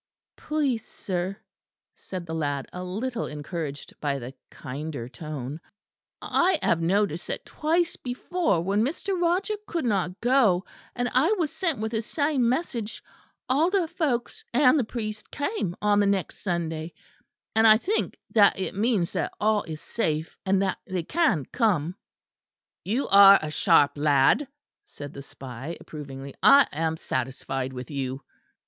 "Please, sir," said the lad, a little encouraged by the kinder tone, "I have noticed that twice before when Mr. Roger could not go, and I was sent with the same message, all the folks and the priest came on the next Sunday; and I think that it means that all is safe, and that they can come." "You are a sharp lad," said the spy approvingly. "I am satisfied with you."